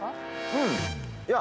うん。